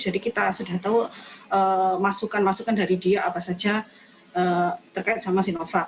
jadi kita sudah tahu masukan masukan dari dia apa saja terkait sama sinovac